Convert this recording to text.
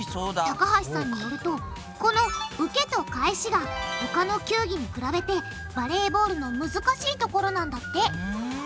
高橋さんによるとこの受けと返しが他の球技に比べてバレーボールのむずかしいところなんだってふん。